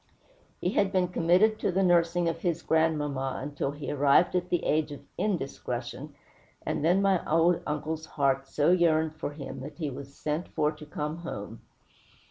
He had been committed to the nursing of his grandmamma till he had arrived at the age of _in_discretion, and then my old uncle's heart so yearned for him that he was sent for to come home.